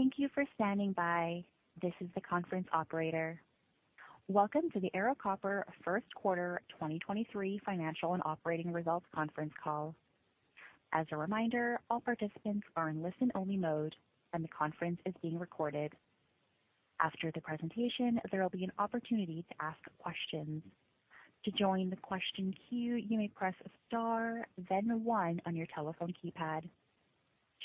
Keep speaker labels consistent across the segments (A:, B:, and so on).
A: Thank you for standing by. This is the conference operator. Welcome to the Ero Copper Q1 2023 Financial and Operating Results conference call. As a reminder, all participants are in listen-only mode, and the conference is being recorded. After the presentation, there will be an opportunity to ask questions. To join the question queue, you may press star then one on your telephone keypad.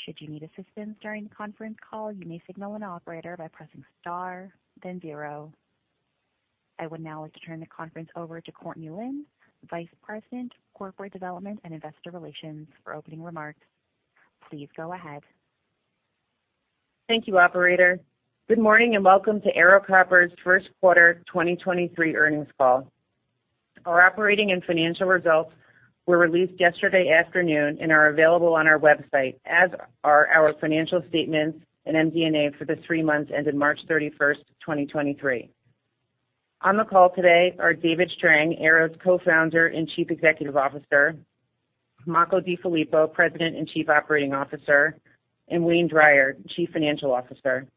A: Should you need assistance during the conference call, you may signal an operator by pressing star then zero. I would now like to turn the conference over to Courtney Lynn, Vice President, Corporate Development and Investor Relations for opening remarks. Please go ahead.
B: Thank you, operator. Good morning and welcome to Ero Copper's first-quarter 2023 earnings call. Our operating and financial results were released yesterday afternoon and are available on our website, as are our financial statements and MD&A for the three months ended 31 March 2023. On the call today are David Strang, Ero's Co-founder and Chief Executive Officer, Makko DeFilippo, President and Chief Operating Officer, and Wayne Drier, Chief Financial Officer.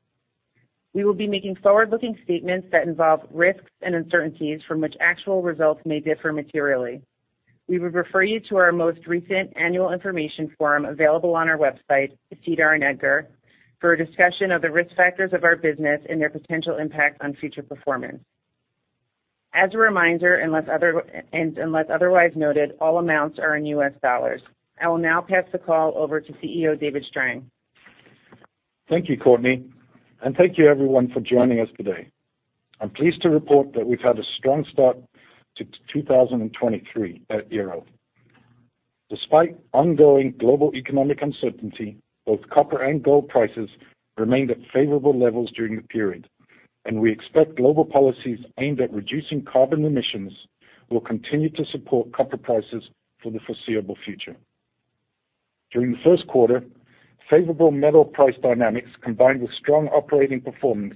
B: We will be making forward-looking statements that involve risks and uncertainties from which actual results may differ materially. We would refer you to our most recent annual information forum available on our website, SEDAR, and EDGAR for a discussion of the risk factors of our business and their potential impact on future performance. As a reminder, unless otherwise noted, all amounts are in US dollars. I will now pass the call over to CEO, David Strang.
C: Thank you, Courtney, and thank you everyone for joining us today. I'm pleased to report that we've had a strong start to 2023 at Ero. Despite ongoing global economic uncertainty, both copper and gold prices remained at favorable levels during the period, and we expect global policies aimed at reducing carbon emissions will continue to support copper prices for the foreseeable future. During the Q1, favorable metal price dynamics combined with strong operating performance,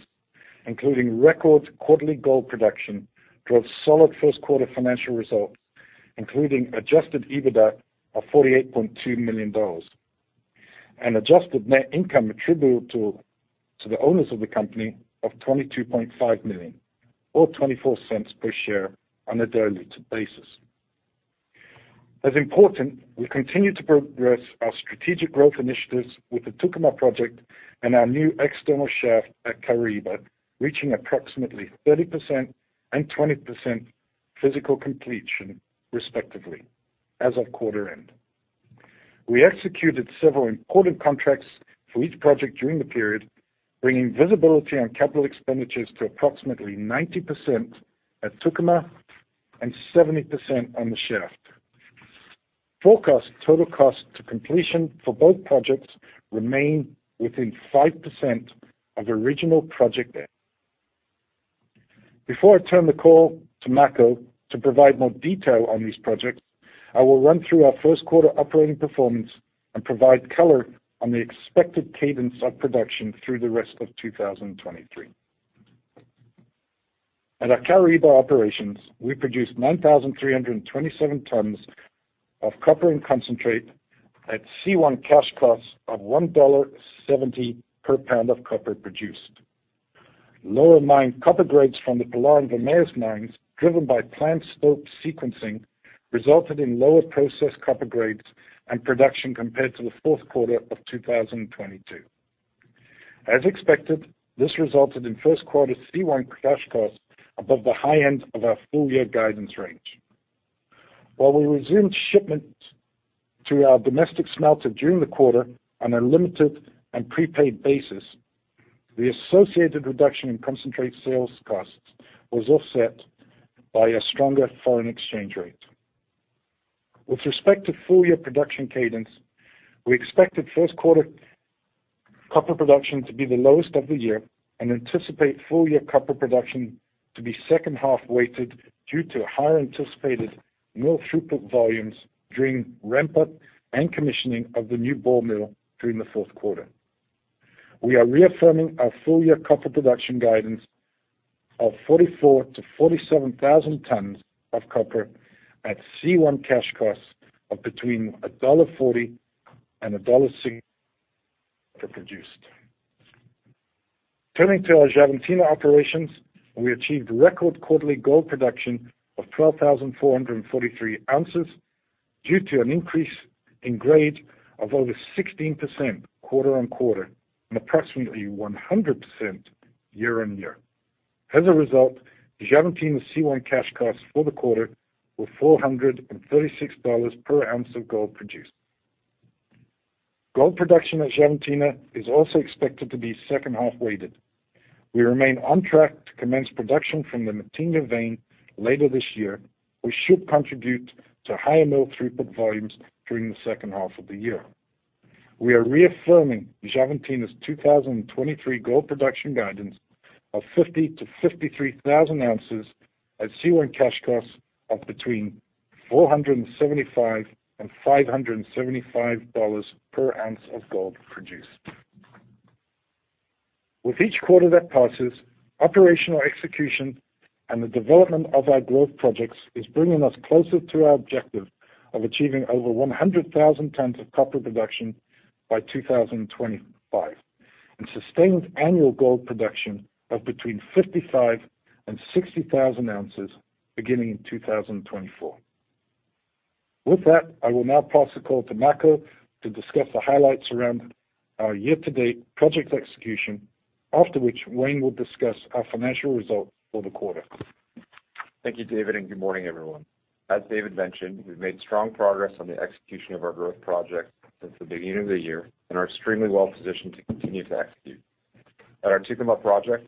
C: including record quarterly gold production, drove solid first-quarter financial results, including adjusted EBITDA of $48.2 million and adjusted net income attributable to the owners of the company of $22.5 million or $0.24 per share on a diluted basis. As important, we continue to progress our strategic growth initiatives with the Tucumã project and our new external shaft at Caraíba, reaching approximately 30% and 20% physical completion, respectively, as of quarter end. We executed several important contracts for each project during the period, bringing visibility on capital expenditures to approximately 90% at Tucumã and 70% on the shaft. Forecast total cost to completion for both projects remain within 5% of original project debt. Before I turn the call to Makko to provide more detail on these projects, I will run through our Q1 operating performance and provide color on the expected cadence of production through the rest of 2023. At our Caraíba operations, we produced 9,327 tons of copper and concentrate at C1 cash costs of $1.70 per pound of copper produced. Lower mine copper grades from the Pilar and Vermelhos mines, driven by plant stope sequencing, resulted in lower processed copper grades and production compared to the Q4 of 2022. As expected, this resulted in Q1 C1 cash costs above the high end of our full year guidance range. While we resumed shipments to our domestic smelter during the quarter on a limited and prepaid basis, the associated reduction in concentrate sales costs was offset by a stronger foreign exchange rate. With respect to full-year production cadence, we expected Q1 copper production to be the lowest of the year and anticipate full-year copper production to be second half-weighted due to higher anticipated mill throughput volumes during ramp-up and commissioning of the new ball mill during the Q4. We are reaffirming our full-year copper production guidance of 44,000-47,000 tons of copper at C1 cash costs of between $1.40 and $1.60 produced. Turning to our Xavantina Operations, we achieved record quarterly gold production of 12,443 ounces due to an increase in grade of over 16% quarter-on-quarter and approximately 100% year-on-year. As a result, Xavantina's C1 cash costs for the quarter were $436 per ounce of gold produced. Gold production at Xavantina is also expected to be second half-weighted. We remain on track to commence production from the Matinha vein later this year, which should contribute to higher mill throughput volumes during the H2 of the year. We are reaffirming Xavantina's 2023 gold production guidance of 50,000-53,000 ounces at C1 cash costs of between $475 and $575 per ounce of gold produced. With each quarter that passes, operational execution and the development of our growth projects is bringing us closer to our objective of achieving over 100,000 tons of copper production by 2025, and sustained annual gold production of between 55,000 and 60,000 ounces beginning in 2024. With that, I will now pass the call to Makko to discuss the highlights around our year-to-date project execution, after which Wayne will discuss our financial results for the quarter.
D: Thank you, David, and good morning, everyone. As David mentioned, we've made strong progress on the execution of our growth projects since the beginning of the year and are extremely well positioned to continue to execute. At our Tucumã project,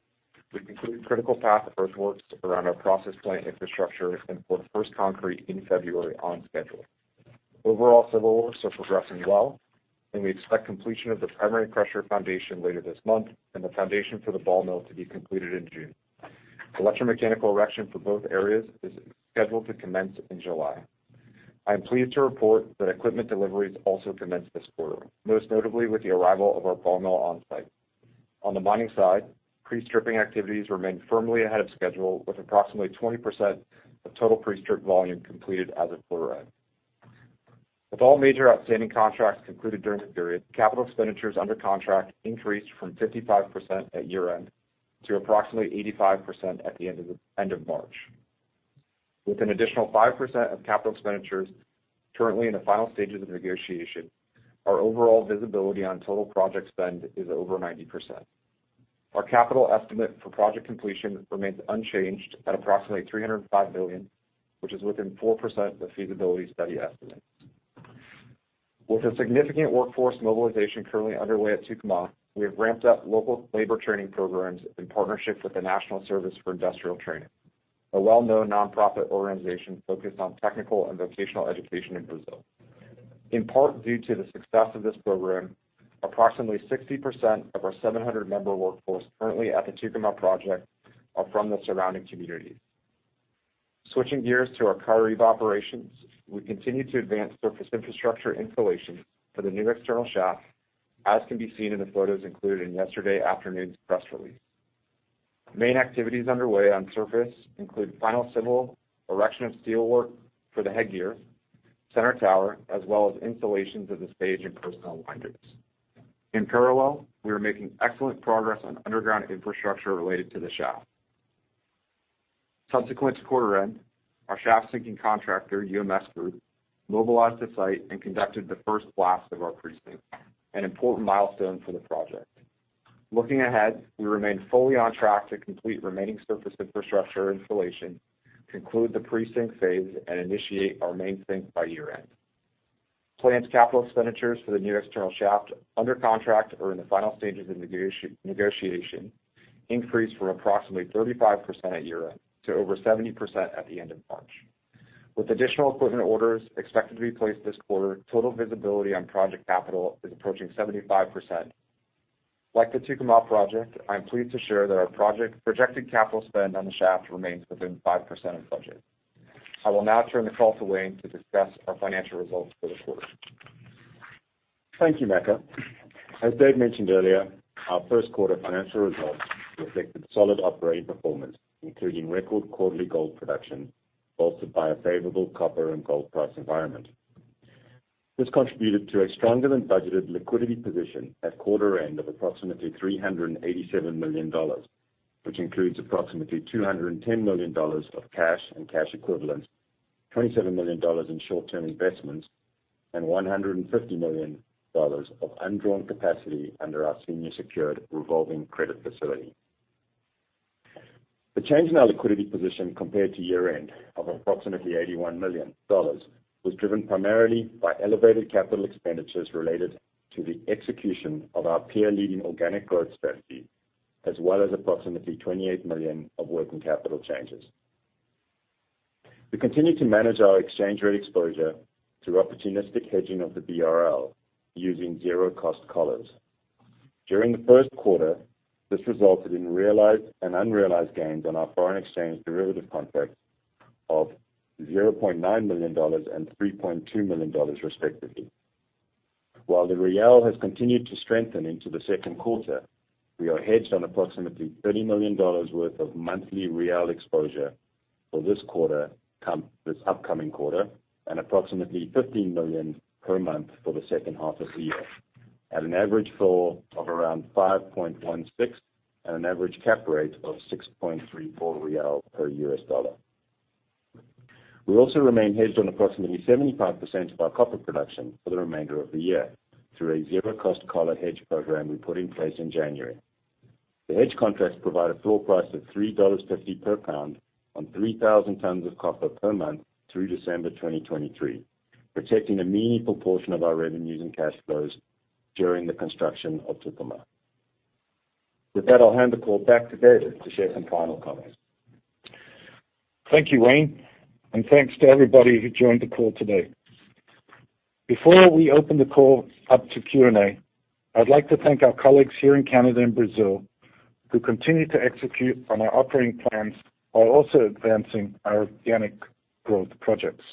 D: we completed critical path earthworks around our process plant infrastructure and poured first concrete in February on schedule. Overall, civil works are progressing well, and we expect completion of the primary crusher foundation later this month and the foundation for the ball mill to be completed in June. Electromechanical erection for both areas is scheduled to commence in July. I am pleased to report that equipment deliveries also commenced this quarter, most notably with the arrival of our ball mill on-site. On the mining side, pre-stripping activities remain firmly ahead of schedule with approximately 20% of total pre-strip volume completed as of quarter end. With all major outstanding contracts concluded during the period, capital expenditures under contract increased from 55% at year-end to approximately 85% at the end of March. With an additional 5% of capital expenditures currently in the final stages of negotiation, our overall visibility on total project spend is over 90%. Our capital estimate for project completion remains unchanged at approximately $305 million, which is within 4% of the feasibility study estimate. With a significant workforce mobilization currently underway at Tucumã, we have ramped up local labor training programs in partnership with the National Service for Industrial Training, a well-known nonprofit organization focused on technical and vocational education in Brazil. In part due to the success of this program, approximately 60% of our 700-member workforce currently at the Tucumã project are from the surrounding communities. Switching gears to our Caraíba operations, we continue to advance surface infrastructure installation for the new external shaft, as can be seen in the photos included in yesterday afternoon's press release. Main activities underway on surface include final civil, erection of steelwork for the headgear, center tower, as well as installations of the stage and personnel winders. In parallel, we are making excellent progress on underground infrastructure related to the shaft. Subsequent to quarter end, our shaft sinking contractor, UMS Group, mobilized to site and conducted the first blast of our pre-sink, an important milestone for the project. Looking ahead, we remain fully on track to complete remaining surface infrastructure installation, conclude the pre-sink phase, and initiate our main sink by year-end. Planned capital expenditures for the new external shaft under contract or in the final stages of negotiation increased from approximately 35% at year-end to over 70% at the end of March. With additional equipment orders expected to be placed this quarter, total visibility on project capital is approaching 75%. Like the Tucumã project, I'm pleased to share that our projected capital spend on the shaft remains within 5% of budget. I will now turn the call to Wayne to discuss our financial results for the quarter.
E: Thank you, Makko. As Dave mentioned earlier, our Q1 financial results reflected solid operating performance, including record quarterly gold production, bolstered by a favorable copper and gold price environment. This contributed to a stronger than budgeted liquidity position at quarter end of approximately $387 million, which includes approximately $210 million of cash and cash equivalents, $27 million in short-term investments, and $150 million of undrawn capacity under our senior secured revolving credit facility. The change in our liquidity position compared to year-end of approximately $81 million was driven primarily by elevated capital expenditures related to the execution of our peer-leading organic growth strategy, as well as approximately $28 million of working capital changes. We continue to manage our exchange rate exposure through opportunistic hedging of the BRL using zero-cost collars. During the Q1, this resulted in realized and unrealized gains on our foreign exchange derivative contracts of $0.9 million and $3.2 million, respectively. While the BRL has continued to strengthen into the Q2, we are hedged on approximately $30 million worth of monthly BRL exposure for this quarter, come this upcoming quarter, and approximately $15 million per month for the H2 of the year at an average floor of around 5.16 and an average cap rate of 6.34 real per USD. We also remain hedged on approximately 75% of our copper production for the remainder of the year through a zero-cost collar hedge program we put in place in January. The hedge contracts provide a floor price of $3.50 per pound on 3,000 tons of copper per month through December 2023, protecting a meaningful portion of our revenues and cash flows during the construction of Tucumã. With that, I'll hand the call back to David to share some final comments.
C: Thank you, Wayne, and thanks to everybody who joined the call today. Before we open the call up to Q&A, I'd like to thank our colleagues here in Canada and Brazil who continue to execute on our operating plans while also advancing our organic growth projects.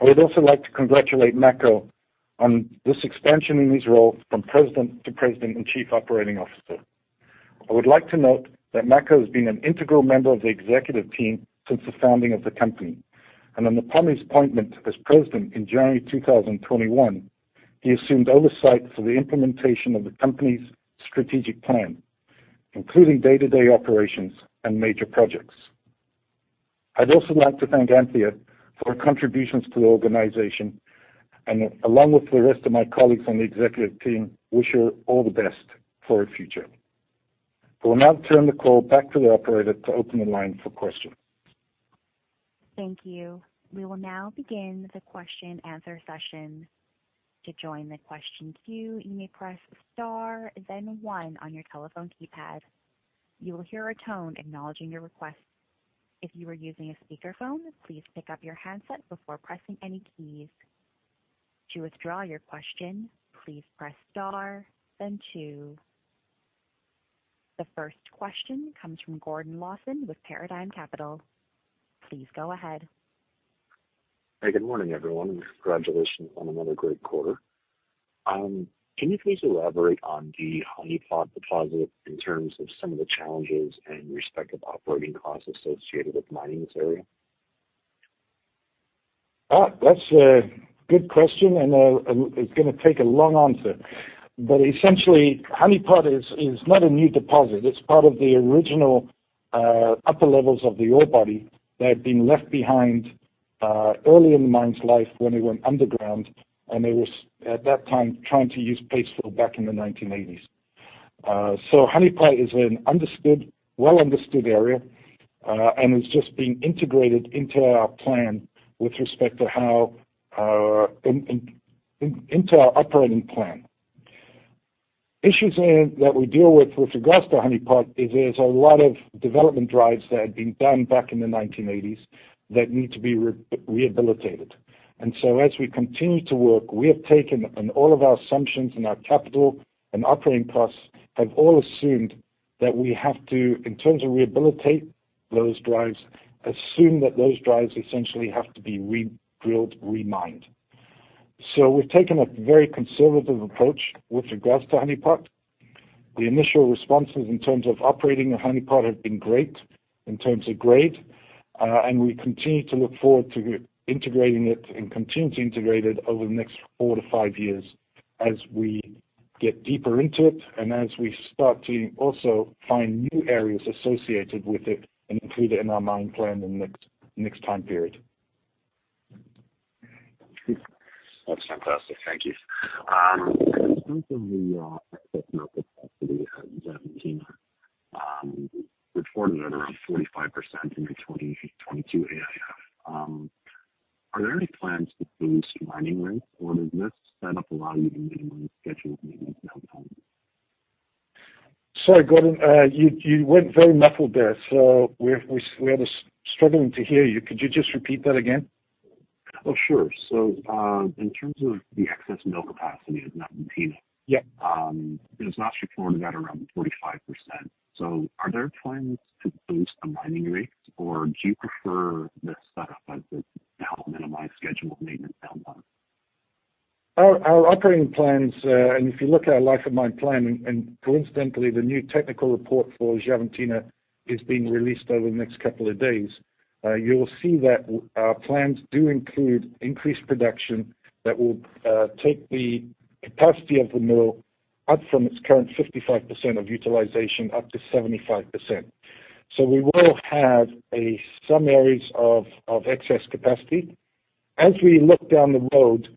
C: I would also like to congratulate Makko on this expansion in his role from President to President and Chief Operating Officer. I would like to note that Makko has been an integral member of the executive team since the founding of the company. Upon his appointment as President in January 2021, he assumed oversight for the implementation of the company's strategic plan, including day-to-day operations and major projects. I'd also like to thank Anthea for her contributions to the organization. Along with the rest of my colleagues on the executive team, wish her all the best for her future. I will now turn the call back to the operator to open the line for questions.
A: Thank you. We will now begin the question-answer session. To join the question queue, you may press star then one on your telephone keypad. You will hear a tone acknowledging your request. If you are using a speakerphone, please pick up your handset before pressing any keys. To withdraw your question, please press star then two. The first question comes from Gordon Lawson with Paradigm Capital. Please go ahead.
F: Hey, good morning, everyone. Congratulations on another great quarter. Can you please elaborate on the Honeypot Deposit in terms of some of the challenges and respective operating costs associated with mining this area?
C: That's a good question, and it's gonna take a long answer. Essentially, Honeypot is not a new deposit. It's part of the original upper levels of the ore body that had been left behind early in the mine's life when they went underground, and they was, at that time, trying to use pay dirt back in the 1980s. Honeypot is a well-understood area, and it's just being integrated into our plan with respect to how it fits into our operating plan. Issues that we deal with with regards to Honeypot is there's a lot of development drives that had been done back in the 1980s that need to be rehabilitated. As we continue to work, we have taken, on all of our assumptions in our capital and operating costs, have all assumed that we have to, in terms of rehabilitate those drives, assume that those drives essentially have to be re-drilled, re-mined. We've taken a very conservative approach with regards to Honeypot. The initial responses in terms of operating of Honeypot have been great in terms of grade, and we continue to look forward to integrating it and continue to integrate it over the next four to five years as we get deeper into it and as we start to also find new areas associated with it and include it in our mine plan in the next time period.
F: That's fantastic. Thank you. In terms of the excess mill capacity at Xavantina, reported at around 45% in the 2022 AIF. Are there any plans to boost mining rates, or does this setup allow you to minimize scheduled maintenance downtime?
C: Sorry, Gordon, you went very muffled there, so we're struggling to hear you. Could you just repeat that again?
F: Oh, sure. In terms of the excess mill capacity at Xavantina.
C: Yeah.
F: It was last reported at around 45%. Are there plans to boost the mining rates, or do you prefer this setup as it now minimize scheduled maintenance downtime?
C: Our operating plans. If you look at our life of mine plan, coincidentally, the new technical report for Xavantina is being released over the next couple of days, you'll see that our plans do include increased production that will take the capacity of the mill up from its current 55% of utilization up to 75%. We will have some areas of excess capacity. As we look down the road,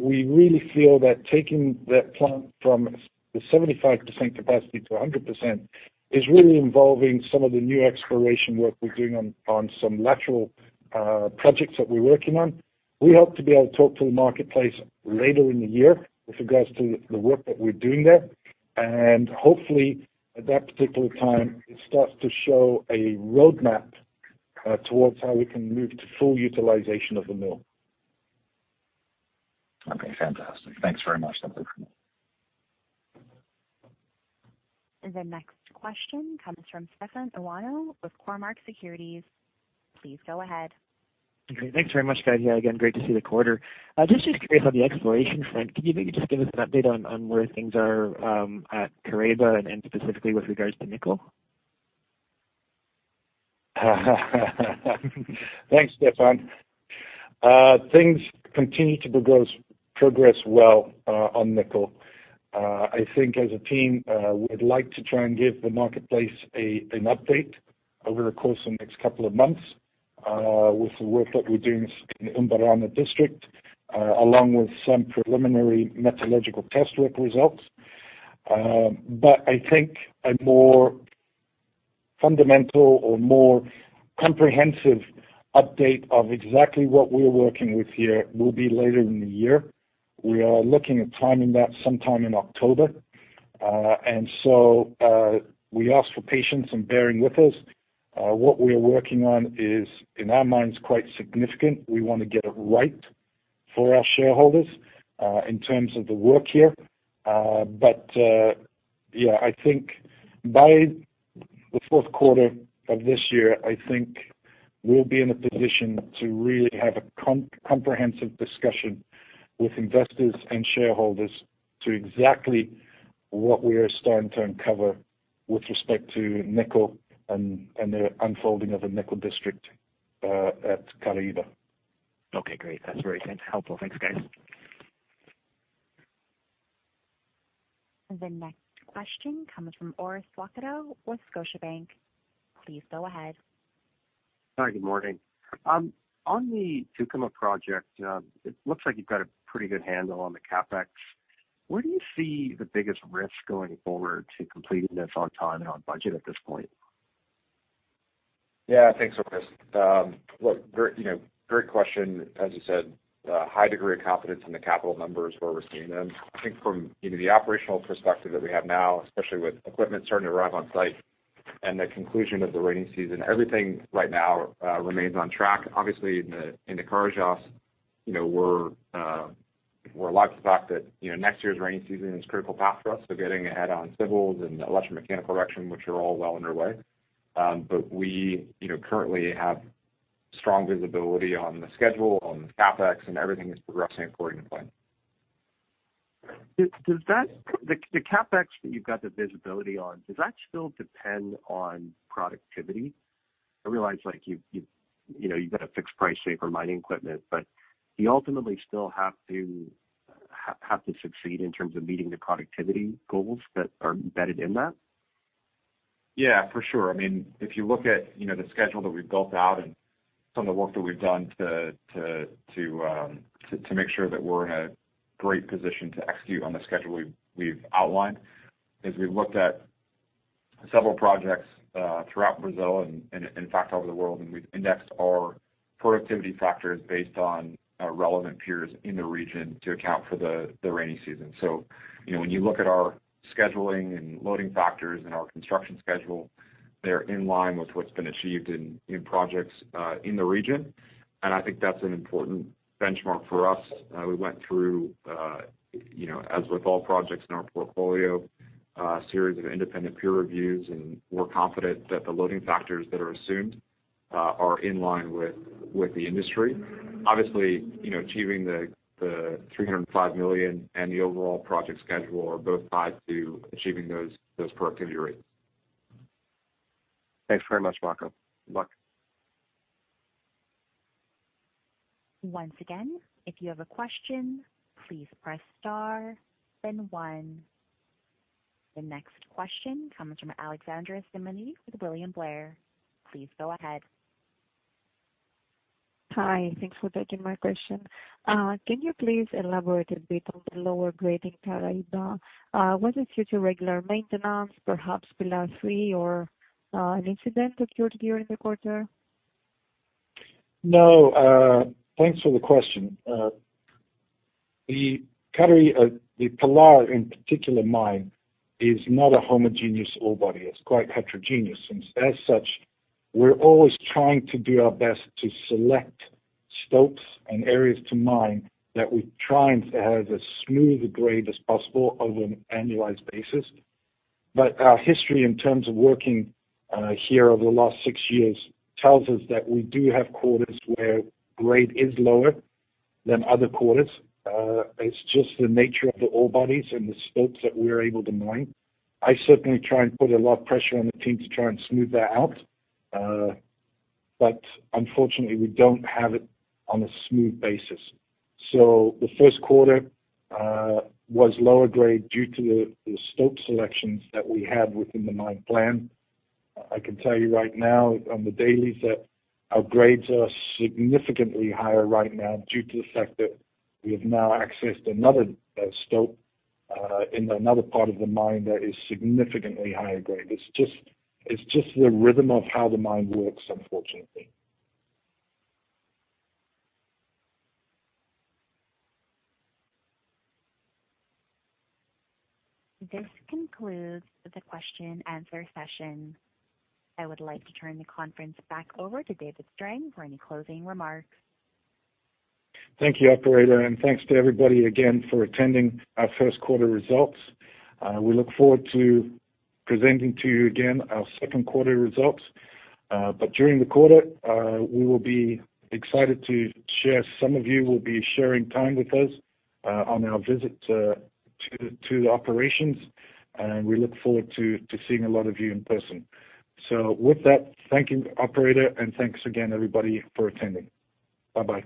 C: we really feel that taking that plant from the 75% capacity to 100% is really involving some of the new exploration work we're doing on some lateral projects that we're working on. We hope to be able to talk to the marketplace later in the year with regards to the work that we're doing there. Hopefully, at that particular time, it starts to show a roadmap, towards how we can move to full utilization of the mill.
F: Okay, fantastic. Thanks very much. That's it for me.
A: The next question comes from Stefan Ioannou with Cormark Securities. Please go ahead.
G: Okay. Thanks very much, guys. Yeah, again, great to see the quarter. Just to base on the exploration front, can you maybe just give us an update on where things are at Caraíba and specifically with regards to nickel?
C: Thanks, Stefan. Things continue to progress well on nickel. I think as a team, we'd like to try and give the marketplace an update over the course of the next two months with the work that we're doing in the Umburana district, along with some preliminary metallurgical test work results. I think a more fundamental or more comprehensive update of exactly what we're working with here will be later in the year. We are looking at timing that sometime in October. We ask for patience and bearing with us. What we are working on is, in our minds, quite significant. We wanna get it right. For our shareholders, in terms of the work here. Yeah, I think by the Q4 of this year, I think we'll be in a comprehensive discussion with investors and shareholders to exactly what we are starting to uncover with respect to nickel and the unfolding of the nickel district at Caraíba.
F: Okay, great. That's very helpful. Thanks, guys.
A: The next question comes from Orest Wowkodaw with Scotiabank. Please go ahead.
H: Hi, good morning. On the Tucumã project, it looks like you've got a pretty good handle on the CapEx. Where do you see the biggest risk going forward to completing this on time and on budget at this point?
D: Yeah. Thanks, Orest. Look, very, you know, great question. As you said, high degree of confidence in the capital numbers where we're seeing them. I think from, you know, the operational perspective that we have now, especially with equipment starting to arrive on site and the conclusion of the rainy season, everything right now, remains on track. Obviously, in the Carajás, you know, we're alive to the fact that, you know, next year's rainy season is critical path for us, so getting ahead on civils and electromechanical erection, which are all well underway. We, you know, currently have strong visibility on the schedule, on the CapEx, and everything is progressing according to plan.
H: The CapEx that you've got the visibility on, does that still depend on productivity? I realize, like, you've, you know, you've got a fixed price say for mining equipment, but you ultimately still have to succeed in terms of meeting the productivity goals that are embedded in that?
D: Yeah, for sure. I mean, if you look at, you know, the schedule that we've built out and some of the work that we've done to make sure that we're in a great position to execute on the schedule we've outlined, is we've looked at several projects throughout Brazil and in fact all over the world, and we've indexed our productivity factors based on relevant peers in the region to account for the rainy season. You know, when you look at our scheduling and loading factors and our construction schedule, they're in line with what's been achieved in projects in the region. I think that's an important benchmark for us. We went through, you know, as with all projects in our portfolio, a series of independent peer reviews. We're confident that the loading factors that are assumed, are in line with the industry. Obviously, you know, achieving the $305 million and the overall project schedule are both tied to achieving those productivity rates.
H: Thanks very much, Makko.
D: Welcome.
A: Once again, if you have a question, please press star then 1. The next question comes from Alexandra Symeonidou with William Blair. Please go ahead.
I: Hi, thanks for taking my question. Can you please elaborate a bit on the lower grade in Caraíba? Was it due to regular maintenance, perhaps Pilar 3 or an incident occurred during the quarter?
C: No. Thanks for the question. The Pilar in particular mine is not a homogeneous ore body, it's quite heterogeneous. As such, we're always trying to do our best to select stopes and areas to mine that we're trying to have as smooth a grade as possible over an annualized basis. Our history in terms of working here over the last six years tells us that we do have quarters where grade is lower than other quarters. It's just the nature of the ore bodies and the stopes that we're able to mine. I certainly try and put a lot of pressure on the team to try and smooth that out. Unfortunately, we don't have it on a smooth basis. The Q1 was lower grade due to the stope selections that we had within the mine plan. I can tell you right now on the dailies that our grades are significantly higher right now due to the fact that we have now accessed another stope in another part of the mine that is significantly higher grade. It's just the rhythm of how the mine works, unfortunately.
A: This concludes the question-answer session. I would like to turn the conference back over to David Strang for any closing remarks.
C: Thank you, operator, thanks to everybody again for attending our Q1 results. We look forward to presenting to you again our Q2 results. During the quarter, we will be excited to share, some of you will be sharing time with us, on our visit to the operations, and we look forward to seeing a lot of you in person. With that, thank you, operator, and thanks again everybody for attending. Bye-bye.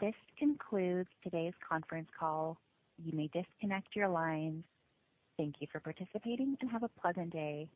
A: This concludes today's conference call. You may disconnect your lines. Thank you for participating, and have a pleasant day.